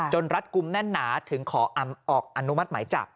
รัดกลุ่มแน่นหนาถึงขอออกอนุมัติหมายจับ